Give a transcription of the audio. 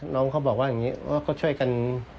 น้องเขาบอกว่าอย่างนี้ว่าเขาช่วยกัน